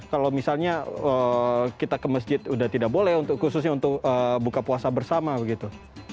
kalau misalnya kita ke masjid sudah tidak boleh khususnya untuk buka puasa bersama begitu